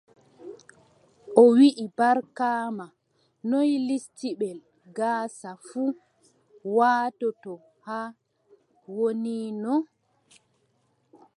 O wii, Barkaama, noy listibel gaasa fuu waatoto haa wonino?